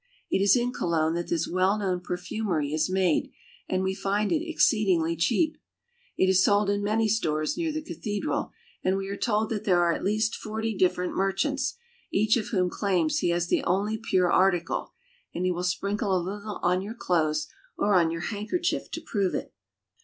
It is in Cologne that this well known perfumery is made, and we find it exceedingly cheap. It is sold in many stores near the cathedral, and we are told there are at least forty different merchants, each of whom claims he has the only pure article, and he will sprinkle a little on your clothes or on your handker chief to prove it.